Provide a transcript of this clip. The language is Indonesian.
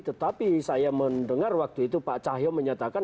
tetapi saya mendengar waktu itu pak cahyo menyatakan